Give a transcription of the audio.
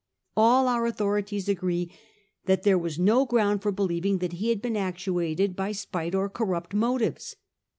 All our authorities agree that there was no ground for believing that ha had been actuated by spite or corrupt motives.